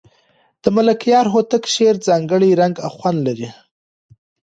د ملکیار هوتک شعر ځانګړی رنګ او خوند لري.